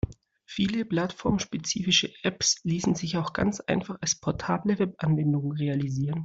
Viele plattformspezifische Apps ließen sich auch ganz einfach als portable Webanwendung realisieren.